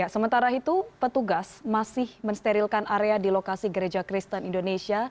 sementara itu petugas masih mensterilkan area di lokasi gereja kristen indonesia